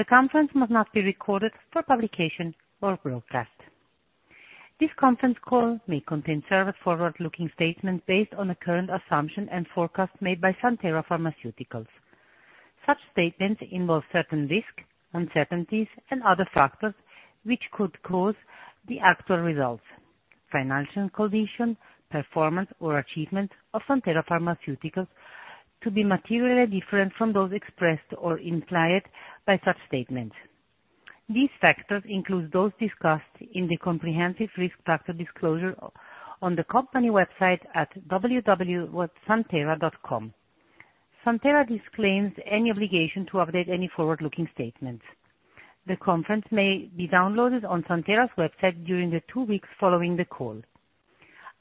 The conference must not be recorded for publication or broadcast. This conference call may contain certain forward-looking statements based on a current assumption and forecast made by Santhera Pharmaceuticals. Such statements involve certain risks, uncertainties, and other factors which could cause the actual results, financial condition, performance, or achievements of Santhera Pharmaceuticals to be materially different from those expressed or implied by such statements. These factors include those discussed in the comprehensive risk factor disclosure on the company website at www.santhera.com. Santhera disclaims any obligation to update any forward-looking statements. The conference may be downloaded on Santhera's website during the two weeks following the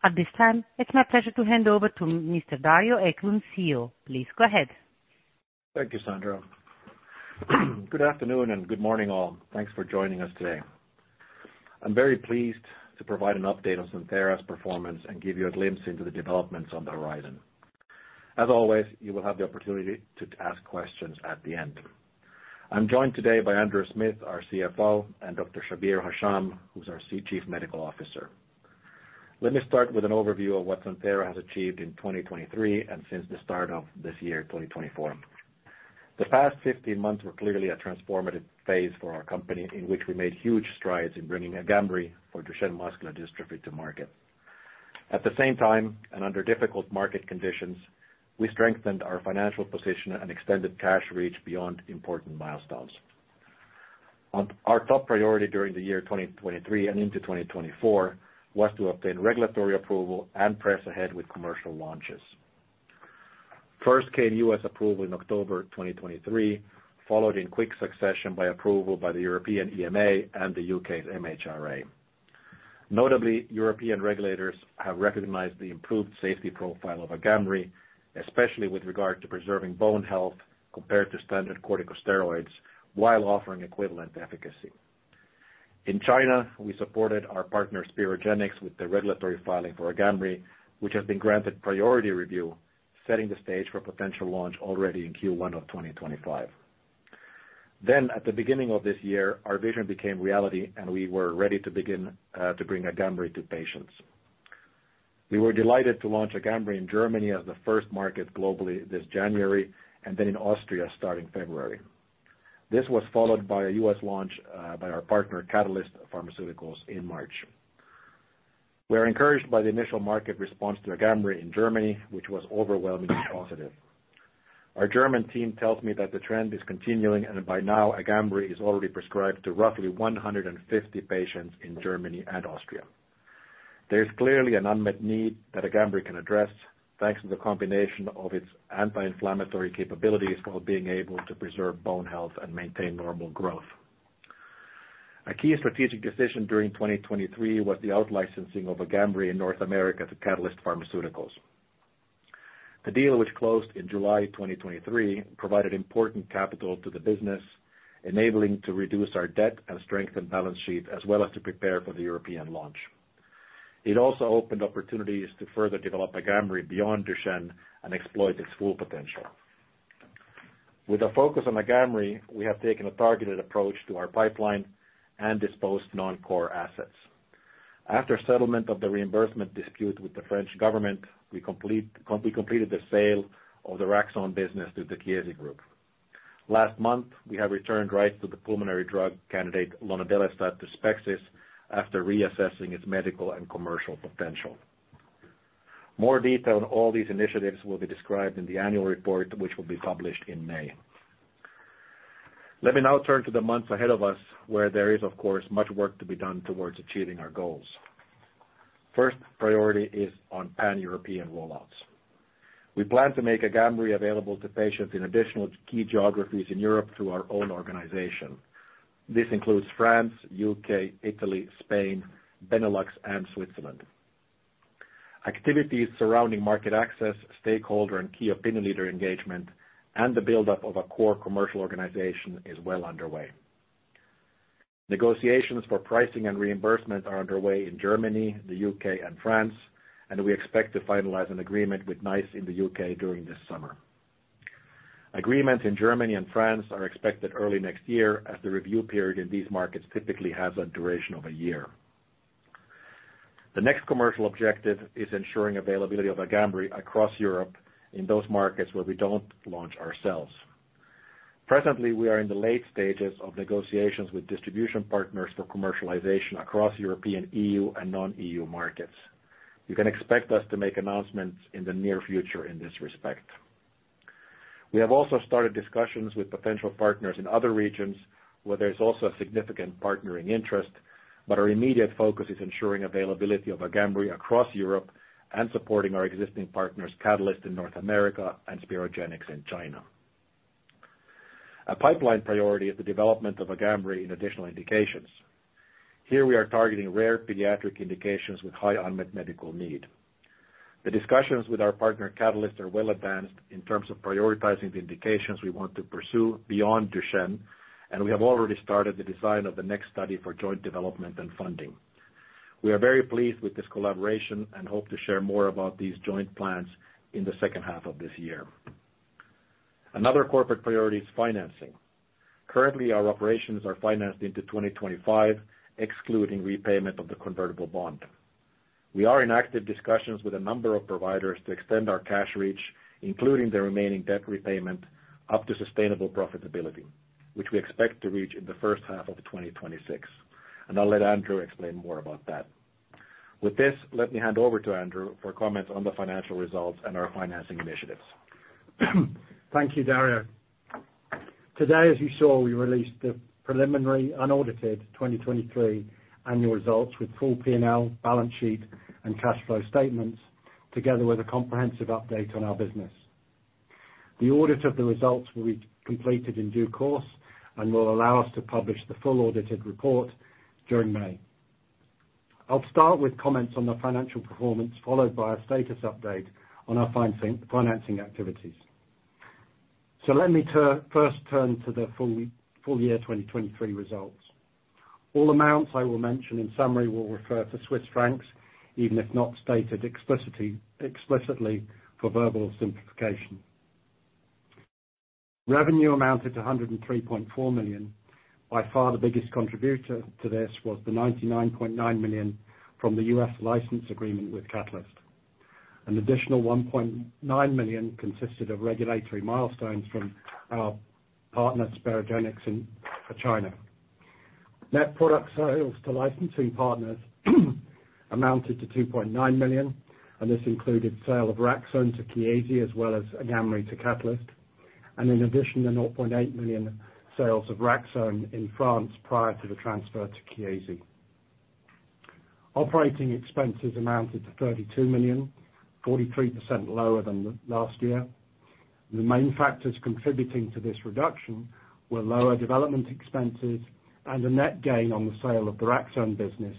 call. At this time, it's my pleasure to hand over to Mr. Dario Eklund, CEO. Please go ahead. Thank you, Sandra. Good afternoon and good morning, all. Thanks for joining us today. I'm very pleased to provide an update on Santhera's performance and give you a glimpse into the developments on the horizon. As always, you will have the opportunity to ask questions at the end. I'm joined today by Andrew Smith, our CFO, and Dr. Shabir Hasham, who's our Chief Medical Officer. Let me start with an overview of what Santhera has achieved in 2023 and since the start of this year, 2024. The past 15 months were clearly a transformative phase for our company in which we made huge strides in bringing AGAMREE for Duchenne muscular dystrophy to market. At the same time, and under difficult market conditions, we strengthened our financial position and extended cash reach beyond important milestones. Our top priority during the year 2023 and into 2024 was to obtain regulatory approval and press ahead with commercial launches. First came U.S. approval in October 2023, followed in quick succession by approval by the European EMA and the U.K.'s MHRA. Notably, European regulators have recognized the improved safety profile of AGAMREE, especially with regard to preserving bone health compared to standard corticosteroids while offering equivalent efficacy. In China, we supported our partner Sperogenix with the regulatory filing for AGAMREE, which has been granted priority review, setting the stage for potential launch already in Q1 of 2025. Then, at the beginning of this year, our vision became reality, and we were ready to begin to bring AGAMREE to patients. We were delighted to launch AGAMREE in Germany as the first market globally this January, and then in Austria starting February. This was followed by a U.S. launch by our partner Catalyst Pharmaceuticals in March. We are encouraged by the initial market response to AGAMREE in Germany, which was overwhelmingly positive. Our German team tells me that the trend is continuing, and by now, AGAMREE is already prescribed to roughly 150 patients in Germany and Austria. There's clearly an unmet need that AGAMREE can address thanks to the combination of its anti-inflammatory capabilities while being able to preserve bone health and maintain normal growth. A key strategic decision during 2023 was the outlicensing of AGAMREE in North America to Catalyst Pharmaceuticals. The deal, which closed in July 2023, provided important capital to the business, enabling to reduce our debt and strengthen balance sheets, as well as to prepare for the European launch. It also opened opportunities to further develop AGAMREE beyond Duchenne and exploit its full potential. With a focus on AGAMREE, we have taken a targeted approach to our pipeline and disposed non-core assets. After settlement of the reimbursement dispute with the French government, we completed the sale of the Raxone business to the Chiesi Group. Last month, we have returned rights to the pulmonary drug candidate lonodelestat to Spexis after reassessing its medical and commercial potential. More detail on all these initiatives will be described in the annual report, which will be published in May. Let me now turn to the months ahead of us, where there is, of course, much work to be done towards achieving our goals. First priority is on pan-European rollouts. We plan to make AGAMREE available to patients in additional key geographies in Europe through our own organization. This includes France, U.K., Italy, Spain, Benelux, and Switzerland. Activities surrounding market access, stakeholder, and key opinion leader engagement, and the buildup of a core commercial organization is well underway. Negotiations for pricing and reimbursement are underway in Germany, the U.K., and France, and we expect to finalize an agreement with NICE in the U.K. during this summer. Agreements in Germany and France are expected early next year, as the review period in these markets typically has a duration of a year. The next commercial objective is ensuring availability of AGAMREE across Europe in those markets where we don't launch ourselves. Presently, we are in the late stages of negotiations with distribution partners for commercialization across European E.U. and non-E.U. markets. You can expect us to make announcements in the near future in this respect. We have also started discussions with potential partners in other regions where there's also a significant partnering interest, but our immediate focus is ensuring availability of AGAMREE across Europe and supporting our existing partners Catalyst in North America and Sperogenix in China. A pipeline priority is the development of AGAMREE in additional indications. Here, we are targeting rare pediatric indications with high unmet medical need. The discussions with our partner Catalyst are well advanced in terms of prioritizing the indications we want to pursue beyond Duchenne, and we have already started the design of the next study for joint development and funding. We are very pleased with this collaboration and hope to share more about these joint plans in the second half of this year. Another corporate priority is financing. Currently, our operations are financed into 2025, excluding repayment of the convertible bond. We are in active discussions with a number of providers to extend our cash reach, including the remaining debt repayment, up to sustainable profitability, which we expect to reach in the first half of 2026. I'll let Andrew explain more about that. With this, let me hand over to Andrew for comments on the financial results and our financing initiatives. Thank you, Dario. Today, as you saw, we released the preliminary unaudited 2023 annual results with full P&L, balance sheet, and cash flow statements, together with a comprehensive update on our business. The audit of the results will be completed in due course and will allow us to publish the full audited report during May. I'll start with comments on the financial performance, followed by a status update on our financing activities. Let me first turn to the full year 2023 results. All amounts I will mention in summary will refer to Swiss francs, even if not stated explicitly for verbal simplification. Revenue amounted to 103.4 million. By far, the biggest contributor to this was the 99.9 million from the U.S. license agreement with Catalyst. An additional 1.9 million consisted of regulatory milestones from our partner Sperogenix in China. Net product sales to licensing partners amounted to 2.9 million, and this included sale of Raxone to Chiesi as well as AGAMREE to Catalyst, and in addition, the 0.8 million sales of Raxone in France prior to the transfer to Chiesi. Operating expenses amounted to 32 million, 43% lower than last year. The main factors contributing to this reduction were lower development expenses and a net gain on the sale of the Raxone business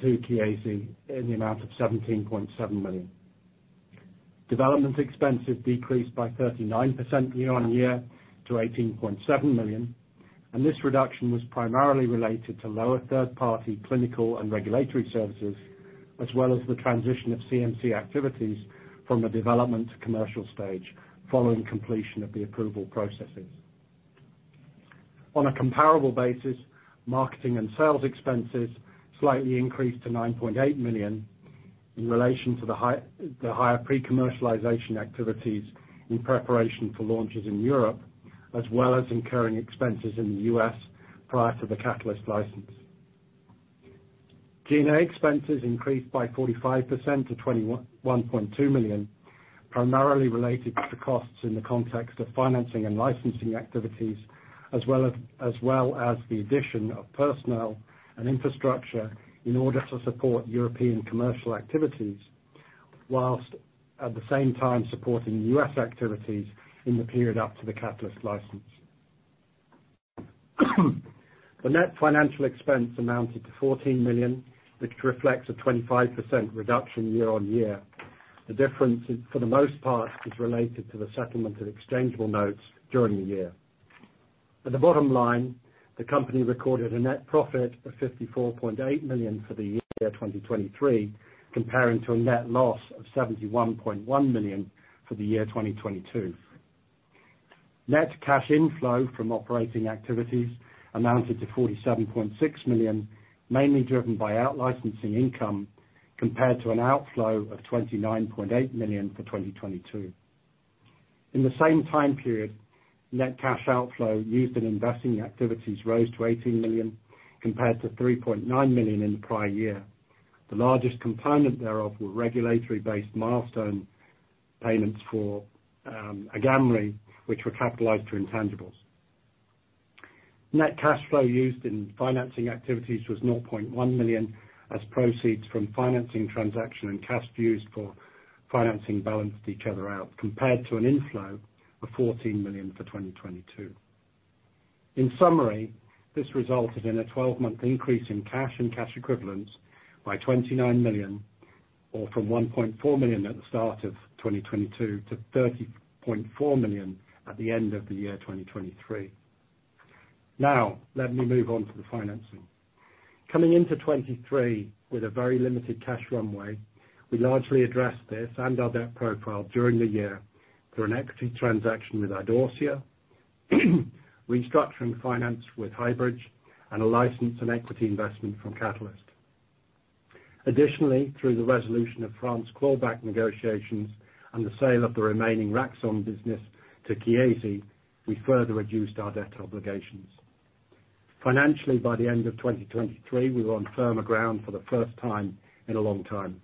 to Chiesi in the amount of 17.7 million. Development expenses decreased by 39% year-on-year to 18.7 million, and this reduction was primarily related to lower third-party clinical and regulatory services, as well as the transition of CMC activities from a development to commercial stage following completion of the approval processes. On a comparable basis, marketing and sales expenses slightly increased to 9.8 million in relation to the higher pre-commercialization activities in preparation for launches in Europe, as well as incurring expenses in the U.S. prior to the Catalyst license. G&A expenses increased by 45% to 21.2 million, primarily related to costs in the context of financing and licensing activities, as well as the addition of personnel and infrastructure in order to support European commercial activities, whilst at the same time supporting U.S. activities in the period up to the Catalyst license. The net financial expense amounted to 14 million, which reflects a 25% reduction year-on-year. The difference, for the most part, is related to the settlement of exchangeable notes during the year. At the bottom line, the company recorded a net profit of 54.8 million for the year 2023, compared to a net loss of 71.1 million for the year 2022. Net cash inflow from operating activities amounted to 47.6 million, mainly driven by outlicensing income, compared to an outflow of 29.8 million for 2022. In the same time period, net cash outflow used in investing activities rose to 18 million, compared to 3.9 million in the prior year. The largest component thereof were regulatory-based milestone payments for AGAMREE, which were capitalized to intangibles. Net cash flow used in financing activities was 0.1 million as proceeds from financing transaction and cash used for financing balanced each other out, compared to an inflow of 14 million for 2022. In summary, this resulted in a 12-month increase in cash and cash equivalents by 29 million, or from 1.4 million at the start of 2022 to 30.4 million at the end of the year 2023. Now, let me move on to the financing. Coming into 2023 with a very limited cash runway, we largely addressed this and our debt profile during the year through an equity transaction with Idorsia, restructuring finance with Highbridge, and a license and equity investment from Catalyst. Additionally, through the resolution of France clawback negotiations and the sale of the remaining Raxone business to Chiesi, we further reduced our debt obligations. Financially, by the end of 2023, we were on firmer ground for the first time in a long time,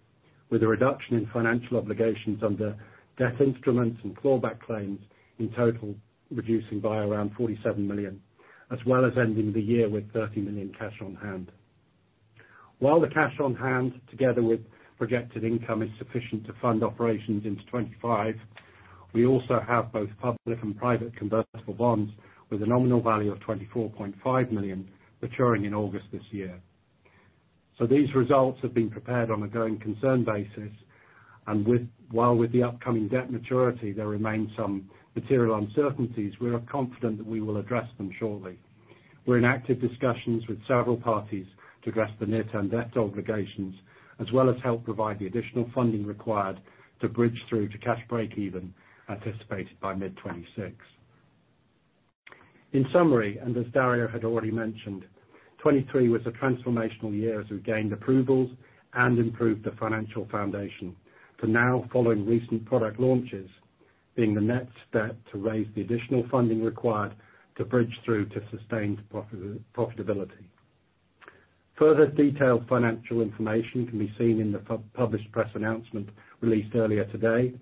with a reduction in financial obligations under debt instruments and clawback claims in total, reducing by around 47 million, as well as ending the year with 30 million cash on hand. While the cash on hand, together with projected income, is sufficient to fund operations into 2025, we also have both public and private convertible bonds with a nominal value of 24.5 million maturing in August this year. So these results have been prepared on a going concern basis, and while with the upcoming debt maturity, there remain some material uncertainties, we are confident that we will address them shortly. We're in active discussions with several parties to address the near-term debt obligations, as well as help provide the additional funding required to bridge through to cash break-even anticipated by mid-2026. In summary, and as Dario had already mentioned, 2023 was a transformational year as we gained approvals and improved the financial foundation, to now following recent product launches being the next step to raise the additional funding required to bridge through to sustained profitability. Further detailed financial information can be seen in the published press announcement released earlier today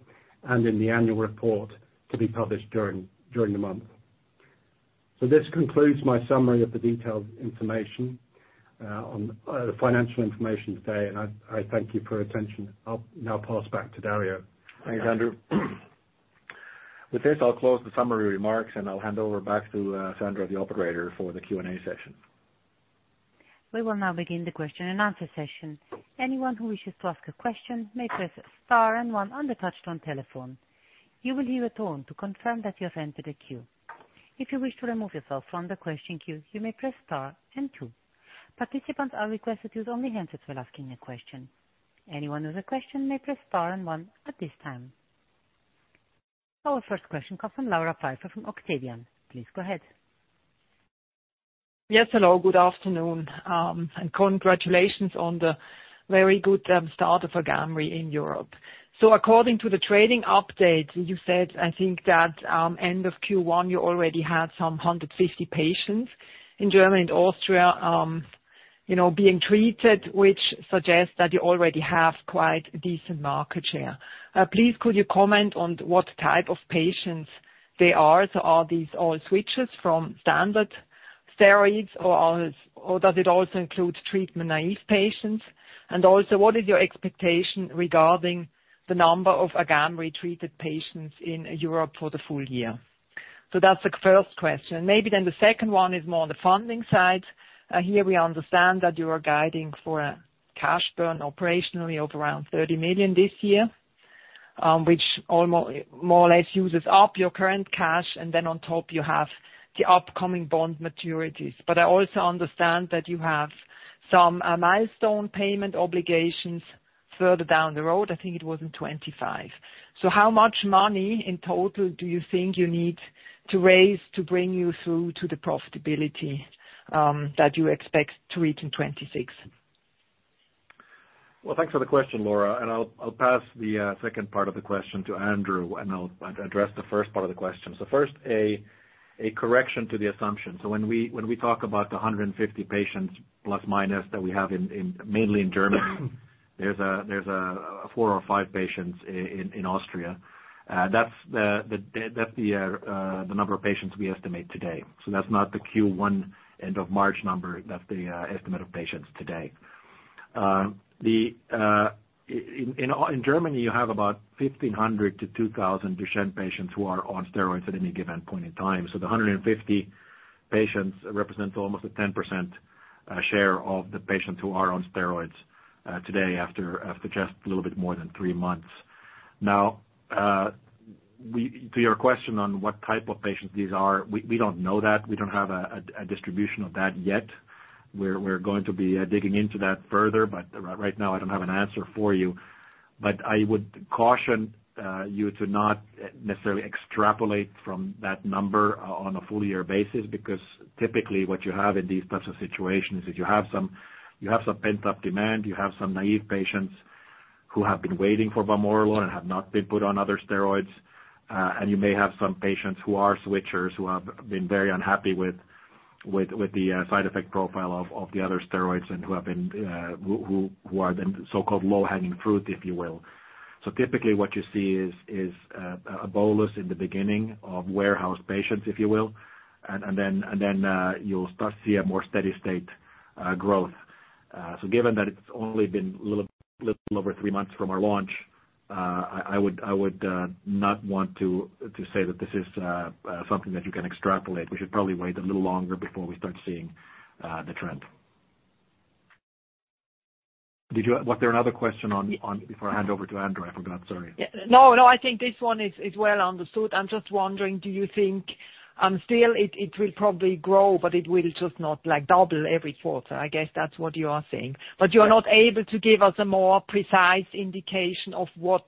and in the annual report to be published during the month. This concludes my summary of the detailed financial information today, and I thank you for your attention. I'll now pass back to Dario. Thanks, Andrew. With this, I'll close the summary remarks, and I'll hand over back to Sandra, the operator, for the Q&A session. We will now begin the question-and-answer session. Anyone who wishes to ask a question may press star and one on touchtone telephone. You will hear a tone to confirm that you have entered a queue. If you wish to remove yourself from the question queue, you may press star and two. Participants are requested to use only handsets while asking a question. Anyone with a question may press star and one at this time. Our first question comes from Laura Pfeifer-Rossi from Octavian. Please go ahead. Yes, hello. Good afternoon. And congratulations on the very good start of AGAMREE in Europe. So according to the trading update, you said, I think, that end of Q1 you already had some 150 patients in Germany and Austria being treated, which suggests that you already have quite decent market share. Please, could you comment on what type of patients they are? So are these all switches from standard steroids, or does it also include treatment-naive patients? And also, what is your expectation regarding the number of AGAMREE treated patients in Europe for the full year? So that's the first question. And maybe then the second one is more on the funding side. Here, we understand that you are guiding for a cash burn operationally of around 30 million this year, which more or less uses up your current cash, and then on top, you have the upcoming bond maturities. But I also understand that you have some milestone payment obligations further down the road. I think it was in 2025. So how much money in total do you think you need to raise to bring you through to the profitability that you expect to reach in 2026? Well, thanks for the question, Laura. I'll pass the second part of the question to Andrew, and I'll address the first part of the question. First, a correction to the assumption. When we talk about the ±150 patients that we have mainly in Germany, there's four or five patients in Austria. That's the number of patients we estimate today. That's not the Q1 end-of-March number. That's the estimate of patients today. In Germany, you have about 1,500-2,000 Duchenne patients who are on steroids at any given point in time. The ±150 patients represent almost a 10% share of the patients who are on steroids today after just a little bit more than 3 months. Now, to your question on what type of patients these are, we don't know that. We don't have a distribution of that yet. We're going to be digging into that further, but right now, I don't have an answer for you. But I would caution you to not necessarily extrapolate from that number on a full-year basis because typically, what you have in these types of situations is that you have some pent-up demand. You have some naive patients who have been waiting for vamorolone and have not been put on other steroids. And you may have some patients who are switchers, who have been very unhappy with the side effect profile of the other steroids and who are the so-called low-hanging fruit, if you will. So typically, what you see is a bolus in the beginning of warehoused patients, if you will, and then you'll start to see a more steady-state growth. Given that it's only been a little over three months from our launch, I would not want to say that this is something that you can extrapolate. We should probably wait a little longer before we start seeing the trend. Was there another question before I hand over to Andrew? I forgot. Sorry. No, no. I think this one is well understood. I'm just wondering, do you think still it will probably grow, but it will just not double every quarter? I guess that's what you are saying. But you are not able to give us a more precise indication of what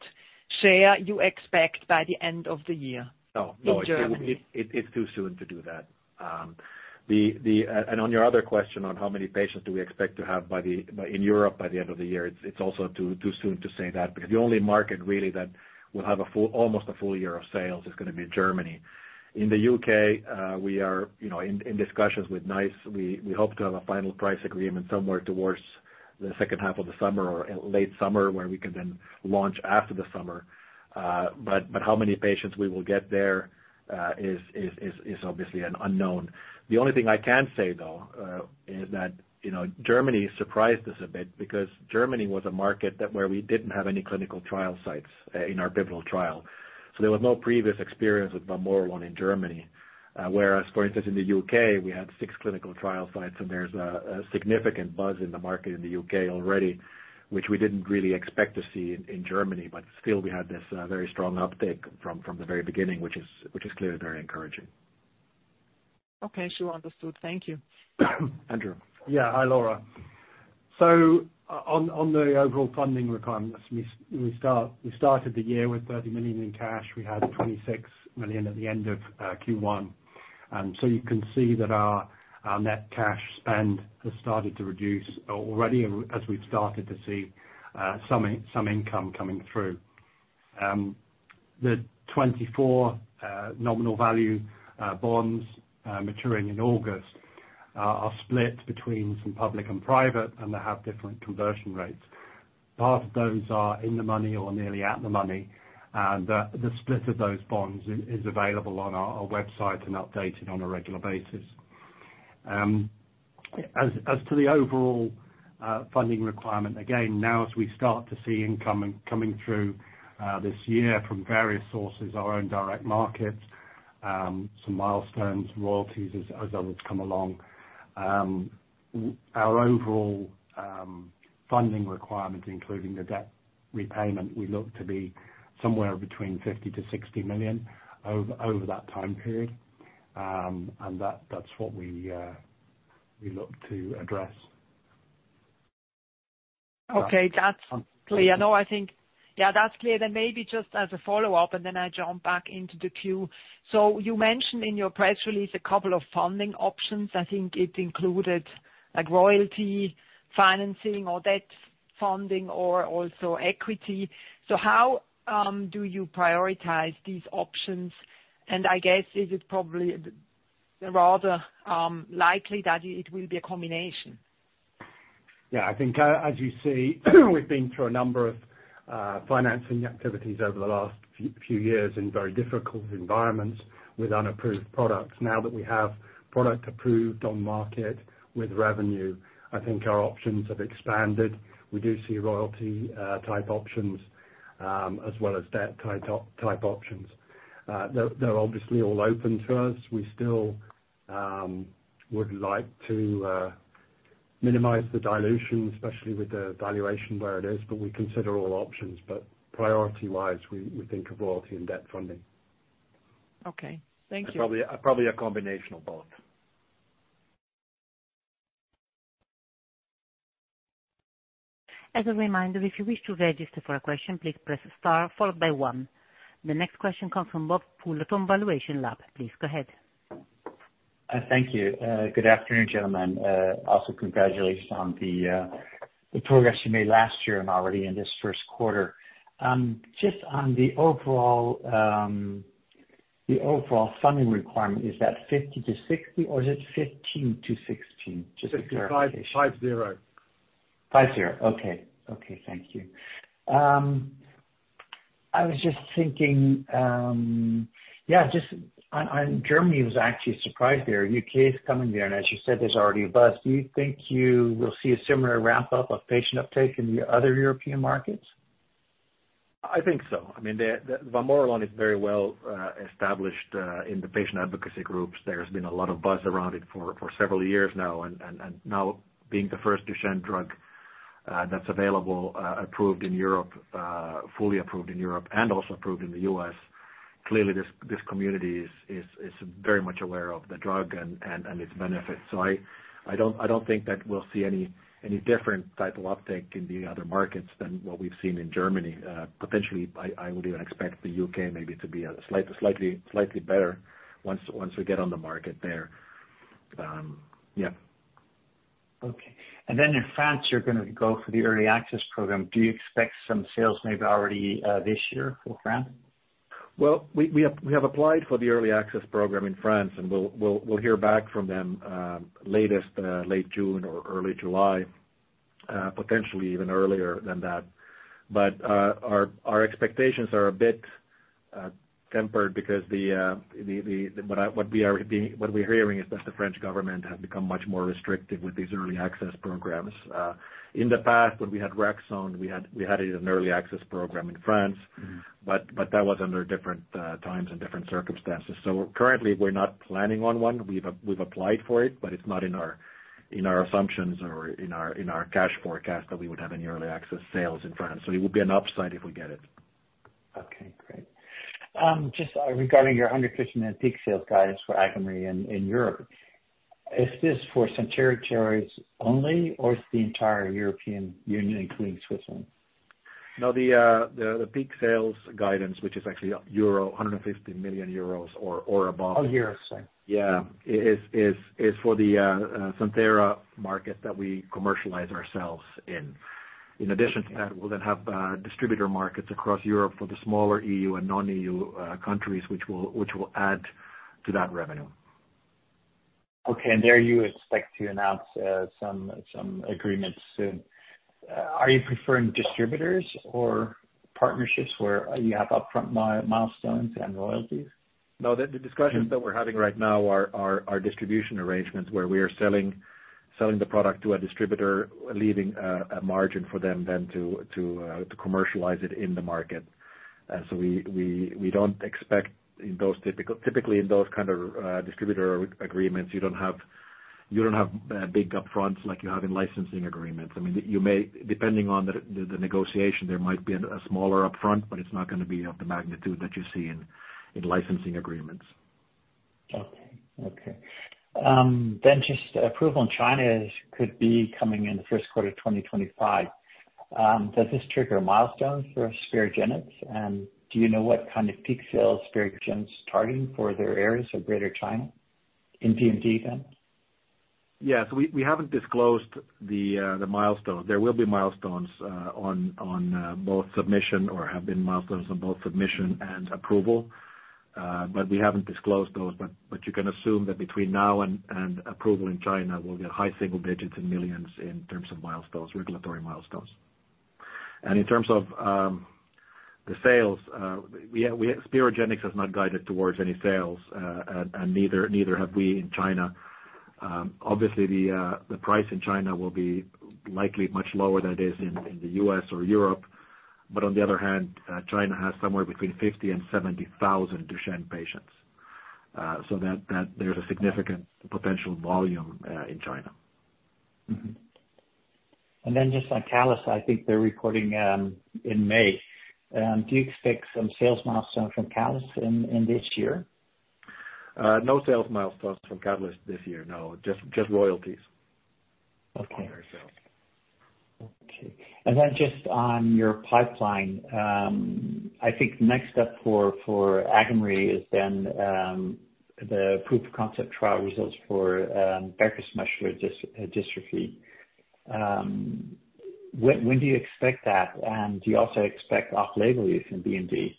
share you expect by the end of the year in Germany? No, no. It's too soon to do that. On your other question on how many patients do we expect to have in Europe by the end of the year, it's also too soon to say that because the only market, really, that will have almost a full year of sales is going to be Germany. In the U.K., we are in discussions with NICE. We hope to have a final price agreement somewhere towards the second half of the summer or late summer where we can then launch after the summer. How many patients we will get there is obviously an unknown. The only thing I can say, though, is that Germany surprised us a bit because Germany was a market where we didn't have any clinical trial sites in our pivotal trial. There was no previous experience with vamorolone in Germany, whereas, for instance, in the U.K., we had six clinical trial sites, and there's a significant buzz in the market in the U.K. already, which we didn't really expect to see in Germany. But still, we had this very strong uptake from the very beginning, which is clearly very encouraging. Okay. Sure. Understood. Thank you. Andrew. Yeah. Hi, Laura. So on the overall funding requirements, we started the year with 30 million in cash. We had 26 million at the end of Q1. So you can see that our net cash spend has started to reduce already as we've started to see some income coming through. The 2024 nominal value bonds maturing in August are split between some public and private, and they have different conversion rates. Part of those are in the money or nearly at the money, and the split of those bonds is available on our website and updated on a regular basis. As to the overall funding requirement, again, now as we start to see income coming through this year from various sources, our own direct markets, some milestones, royalties, as others come along, our overall funding requirement, including the debt repayment, we look to be somewhere between 50 million-60 million over that time period. That's what we look to address. Okay. That's clear. Yeah, that's clear. Then maybe just as a follow-up, and then I jump back into the queue. So you mentioned in your press release a couple of funding options. I think it included royalty financing or debt funding or also equity. So how do you prioritize these options? And I guess is it probably rather likely that it will be a combination? Yeah. I think, as you see, we've been through a number of financing activities over the last few years in very difficult environments with unapproved products. Now that we have product approved on market with revenue, I think our options have expanded. We do see royalty-type options as well as debt-type options. They're obviously all open to us. We still would like to minimize the dilution, especially with the valuation where it is, but we consider all options. But priority-wise, we think of royalty and debt funding. Okay. Thank you. Probably a combination of both. As a reminder, if you wish to register for a question, please press star followed by one. The next question comes from Bob Pooler, valuationLAB. Please go ahead. Thank you. Good afternoon, gentlemen. Also, congratulations on the progress you made last year and already in this first quarter. Just on the overall funding requirement, is that 50 million-60 million, or is it 15 million-16 million? Just to clarify. 50. Okay. Okay. Thank you. I was just thinking, yeah, Germany was actually surprised there. U.K. is coming there, and as you said, there's already a buzz. Do you think you will see a similar wrap-up of patient uptake in the other European markets? I think so. I mean, vamorolone is very well established in the patient advocacy groups. There has been a lot of buzz around it for several years now. And now, being the first Duchenne drug that's available, approved in Europe, fully approved in Europe, and also approved in the U.S., clearly, this community is very much aware of the drug and its benefits. So I don't think that we'll see any different type of uptake in the other markets than what we've seen in Germany. Potentially, I would even expect the U.K. maybe to be slightly better once we get on the market there. Yeah. Okay. And then in France, you're going to go for the early access program. Do you expect some sales maybe already this year for France? Well, we have applied for the early access program in France, and we'll hear back from them late June or early July, potentially even earlier than that. But our expectations are a bit tempered because what we are hearing is that the French government has become much more restrictive with these early access programs. In the past, when we had Raxone, we had it in an early access program in France, but that was under different times and different circumstances. So currently, we're not planning on one. We've applied for it, but it's not in our assumptions or in our cash forecast that we would have any early access sales in France. So it would be an upside if we get it. Okay. Great. Just regarding your 150 million peak sales guidance for AGAMREE in Europe, is this for some territories only, or is it the entire European Union, including Switzerland? No, the peak sales guidance, which is actually 150 million euros or above. Oh, euros. Sorry. Yeah. It's for the Santhera market that we commercialize ourselves in. In addition to that, we'll then have distributor markets across Europe for the smaller E.U. and non-E.U. countries, which will add to that revenue. Okay. And there you expect to announce some agreements soon. Are you preferring distributors or partnerships where you have upfront milestones and royalties? No, the discussions that we're having right now are distribution arrangements where we are selling the product to a distributor, leaving a margin for them then to commercialize it in the market. So we don't expect in those typically, in those kind of distributor agreements, you don't have big upfronts like you have in licensing agreements. I mean, depending on the negotiation, there might be a smaller upfront, but it's not going to be of the magnitude that you see in licensing agreements. Okay. Okay. Then just approval in China could be coming in the first quarter of 2025. Does this trigger milestones for Sperogenix? And do you know what kind of peak sales Sperogenix is targeting for their areas of Greater China in DMD then? Yeah. So we haven't disclosed the milestones. There will be milestones on both submission or have been milestones on both submission and approval, but we haven't disclosed those. But you can assume that between now and approval in China, we'll get 5 million-9 million in terms of regulatory milestones. And in terms of the sales, yeah, Sperogenix has not guided towards any sales, and neither have we in China. Obviously, the price in China will be likely much lower than it is in the U.S. or Europe. But on the other hand, China has somewhere between 50,000-70,000 Duchenne patients. So there's a significant potential volume in China. Just on Catalyst, I think they're reporting in May. Do you expect some sales milestones from Catalyst in this year? No sales milestones from Catalyst this year, no. Just royalties on their sales. Okay. And then just on your pipeline, I think the next step for AGAMREE is then the proof of concept trial results for Becker's muscular dystrophy. When do you expect that? And do you also expect off-label use in DMD?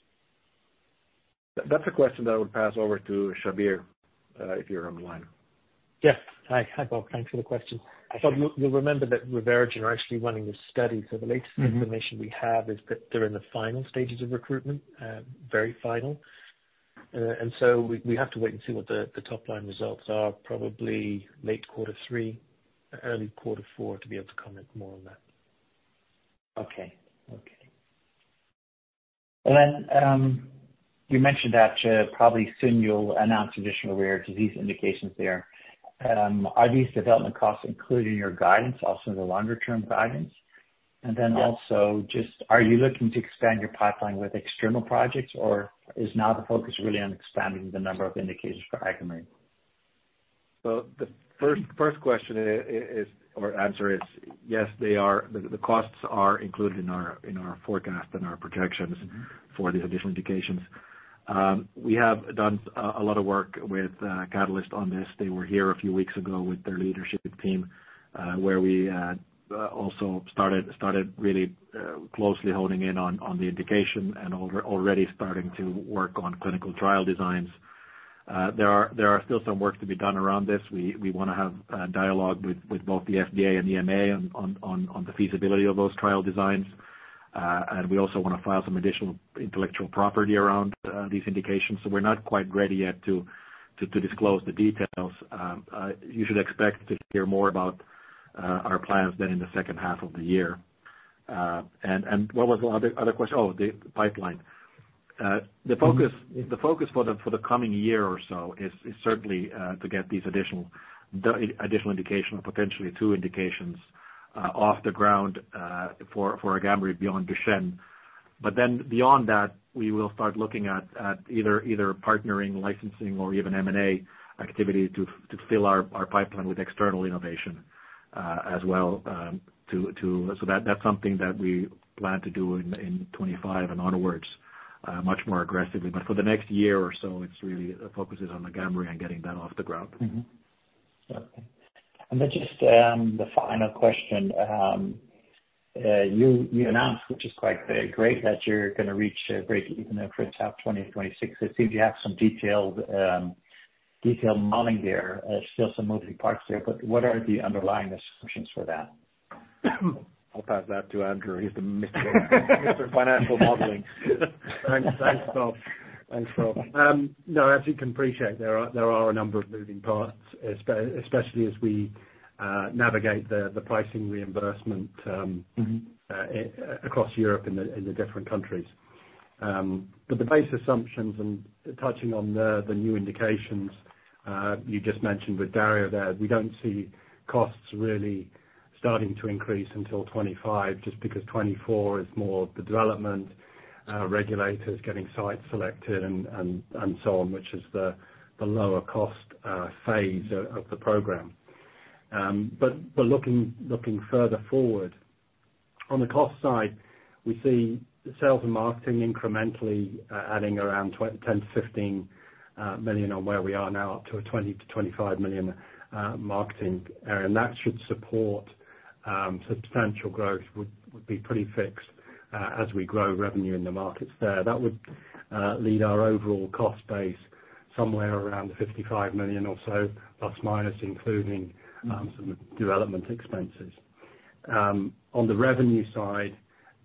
That's a question that I would pass over to Shabir if you're on the line. Yeah. Hi, Bob. Thanks for the question. You'll remember that ReveraGen are actually running this study. So the latest information we have is that they're in the final stages of recruitment, very final. And so we have to wait and see what the top-line results are, probably late quarter three, early quarter four, to be able to comment more on that. Okay. Okay. And then you mentioned that probably soon you'll announce additional rare disease indications there. Are these development costs included in your guidance, also in the longer-term guidance? And then also just, are you looking to expand your pipeline with external projects, or is now the focus really on expanding the number of indications for AGAMREE? So the first question or answer is, yes, the costs are included in our forecast and our projections for these additional indications. We have done a lot of work with Catalyst on this. They were here a few weeks ago with their leadership team, where we also started really closely honing in on the indication and already starting to work on clinical trial designs. There are still some work to be done around this. We want to have dialogue with both the FDA and EMA on the feasibility of those trial designs. And we also want to file some additional intellectual property around these indications. So we're not quite ready yet to disclose the details. You should expect to hear more about our plans then in the second half of the year. And what was the other question? Oh, the pipeline. The focus for the coming year or so is certainly to get these additional indications or potentially two indications off the ground for AGAMREE beyond Duchenne. But then beyond that, we will start looking at either partnering, licensing, or even M&A activity to fill our pipeline with external innovation as well. So that's something that we plan to do in 2025 and onwards much more aggressively. But for the next year or so, the focus is on AGAMREE and getting that off the ground. Okay. Then just the final question. You announced, which is quite great, that you're going to reach a breakeven for top line of 2026. It seems you have some detailed modeling there. There's still some moving parts there, but what are the underlying assumptions for that? I'll pass that to Andrew. He's the mystery man. He's for financial modeling. Thanks, Bob. Thanks, Rob. No, as you can appreciate, there are a number of moving parts, especially as we navigate the pricing reimbursement across Europe in the different countries. But the base assumptions and touching on the new indications you just mentioned with Dario there, we don't see costs really starting to increase until 2025 just because 2024 is more the development, regulators getting sites selected, and so on, which is the lower-cost phase of the program. But looking further forward, on the cost side, we see sales and marketing incrementally adding around 10 million-15 million on where we are now, up to a 20 million-25 million marketing area. And that should support substantial growth, would be pretty fixed as we grow revenue in the markets there. That would lead our overall cost base somewhere around 55 million or so, ±, including some development expenses. On the revenue side,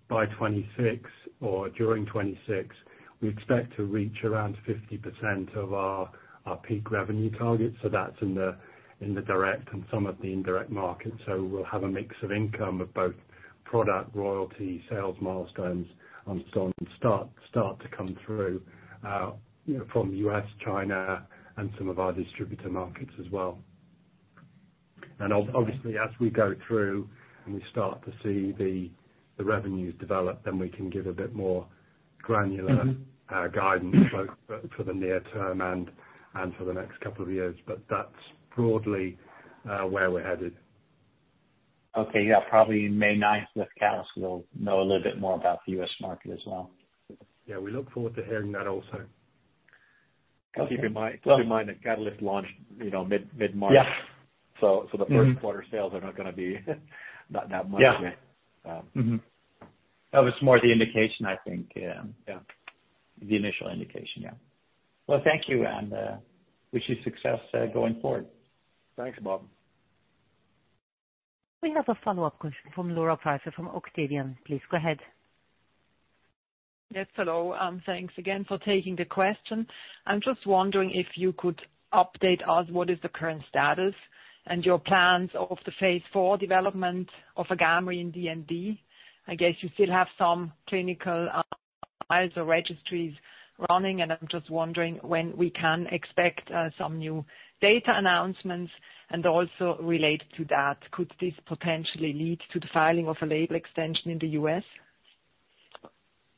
by 2026 or during 2026, we expect to reach around 50% of our peak revenue target. So that's in the direct and some of the indirect markets. So we'll have a mix of income of both product, royalty, sales milestones, and so on start to come through from the U.S., China, and some of our distributor markets as well. And obviously, as we go through and we start to see the revenues develop, then we can give a bit more granular guidance both for the near term and for the next couple of years. But that's broadly where we're headed. Okay. Yeah. Probably May 9th with Catalyst, we'll know a little bit more about the U.S. market as well. Yeah. We look forward to hearing that also. Just keep in mind that Catalyst launched mid-March, so the first quarter sales are not going to be that much yet. Oh, it's more the indication, I think. Yeah. The initial indication. Yeah. Well, thank you, and wish you success going forward. Thanks, Bob. We have a follow-up question from Laura Pfeifer-Rossi from Octavian. Please go ahead. Yes. Hello. Thanks again for taking the question. I'm just wondering if you could update us what is the current status and your plans of the Phase 4 development of AGAMREE in DMD. I guess you still have some clinical files or registries running, and I'm just wondering when we can expect some new data announcements. And also related to that, could this potentially lead to the filing of a label extension in the U.S.?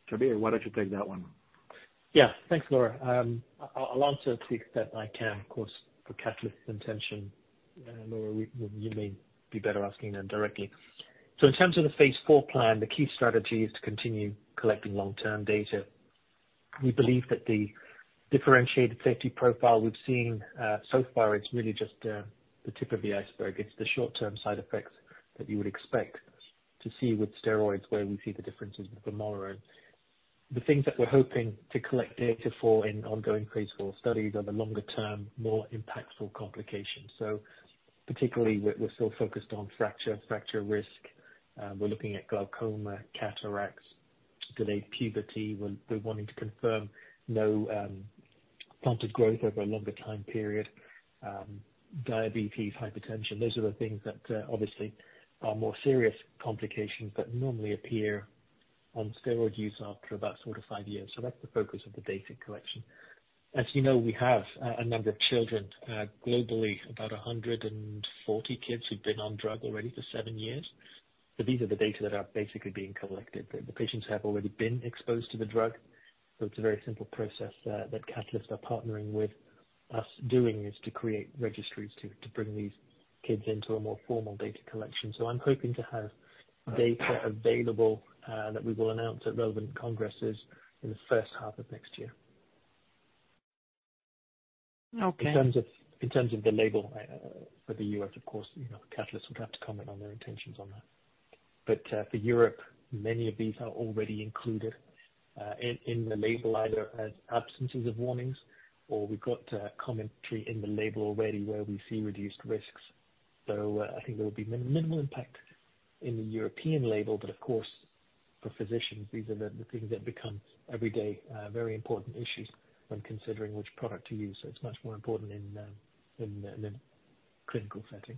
Shabir, why don't you take that one? Yeah. Thanks, Laura. I'll answer to the extent I can, of course, for Catalyst's intention. Laura, you may be better asking them directly. So in terms of the Phase 4 plan, the key strategy is to continue collecting long-term data. We believe that the differentiated safety profile we've seen so far is really just the tip of the iceberg. It's the short-term side effects that you would expect to see with steroids where we see the differences with vamorolone. The things that we're hoping to collect data for in ongoing Phase 4 studies are the longer-term, more impactful complications. So particularly, we're still focused on fracture, fracture risk. We're looking at glaucoma, cataracts, delayed puberty. We're wanting to confirm no planted growth over a longer time period. Diabetes, hypertension, those are the things that obviously are more serious complications but normally appear on steroid use after about sort of five years. So that's the focus of the data collection. As you know, we have a number of children globally, about 140 kids who've been on drug already for seven years. So these are the data that are basically being collected. The patients have already been exposed to the drug. So it's a very simple process that Catalyst are partnering with us doing is to create registries to bring these kids into a more formal data collection. So I'm hoping to have data available that we will announce at relevant congresses in the first half of next year. In terms of the label for the U.S., of course, Catalyst would have to comment on their intentions on that. But for Europe, many of these are already included in the label either as absences of warnings or we've got commentary in the label already where we see reduced risks. So I think there will be minimal impact in the European label. But of course, for physicians, these are the things that become everyday very important issues when considering which product to use. So it's much more important in the clinical setting.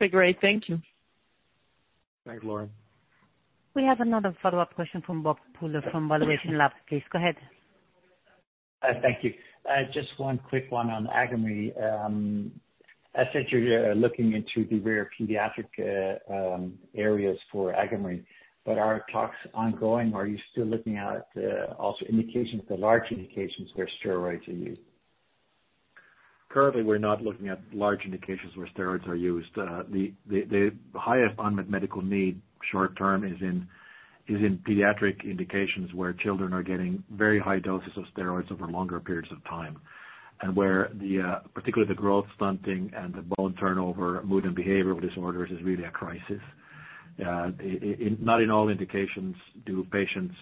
That's great. Thank you. Thanks, Laura. We have another follow-up question from Bob Pooler from valuationLAB. Please go ahead. Thank you. Just one quick one on AGAMREE. I said you're looking into the rare pediatric areas for AGAMREE, but are talks ongoing? Are you still looking at also the large indications where steroids are used? Currently, we're not looking at large indications where steroids are used. The highest unmet medical need short-term is in pediatric indications where children are getting very high doses of steroids over longer periods of time and where particularly the growth stunting and the bone turnover, mood, and behavioral disorders is really a crisis. Not in all indications do patients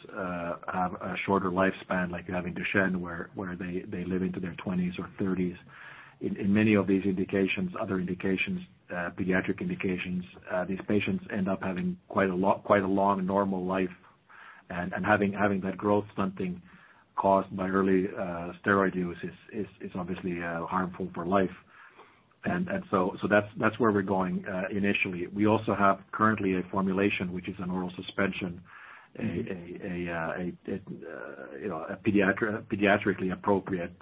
have a shorter lifespan like you have in Duchenne where they live into their 20s or 30s. In many of these indications, other pediatric indications, these patients end up having quite a long normal life. And having that growth stunting caused by early steroid use is obviously harmful for life. And so that's where we're going initially. We also have currently a formulation which is an oral suspension, a pediatrically appropriate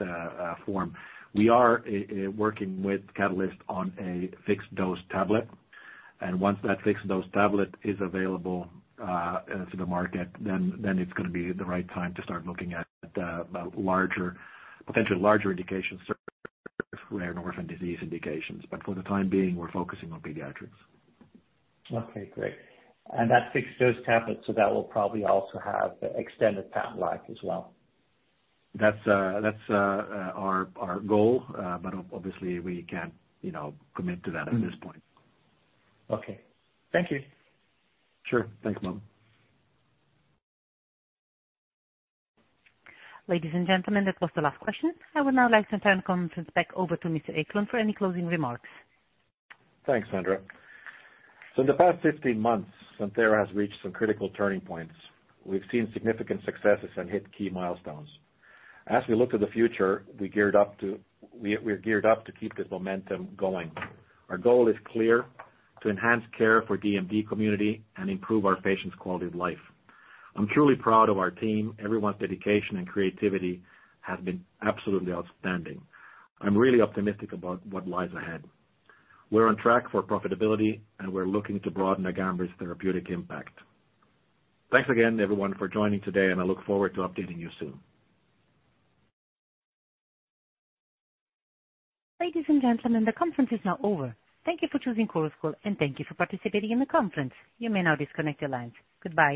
form. We are working with Catalyst on a fixed-dose tablet. Once that fixed-dose tablet is available to the market, then it's going to be the right time to start looking at potentially larger indications, rare nephrotic disease indications. But for the time being, we're focusing on pediatrics. Okay. Great. And that fixed-dose tablet, so that will probably also have extended patent life as well. That's our goal. But obviously, we can't commit to that at this point. Okay. Thank you. Sure. Thanks, Bob. Ladies and gentlemen, that was the last question. I would now like to turn conference back over to Mr. Eklund for any closing remarks. Thanks, Sandra. In the past 15 months, Santhera has reached some critical turning points. We've seen significant successes and hit key milestones. As we look to the future, we're geared up to keep this momentum going. Our goal is clear: to enhance care for the DMD community and improve our patients' quality of life. I'm truly proud of our team. Everyone's dedication and creativity have been absolutely outstanding. I'm really optimistic about what lies ahead. We're on track for profitability, and we're looking to broaden AGAMREE's therapeutic impact. Thanks again, everyone, for joining today, and I look forward to updating you soon. Ladies and gentlemen, the conference is now over. Thank you for choosing Chorus Call, and thank you for participating in the conference. You may now disconnect your lines. Goodbye.